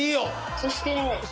そして。